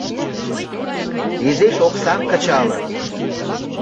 Изиш оксам, кычалын.